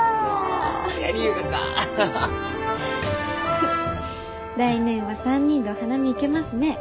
フッ来年は３人でお花見行けますね。